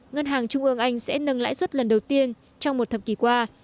ngân hàng trung ương anh sẽ nâng lãi suất lần đầu tiên trong một thập kỷ qua